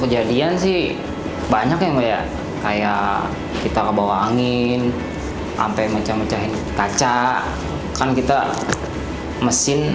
kejadian sih banyak ya kayak kita ke bawah angin sampai mecah mecahin kaca kan kita mesin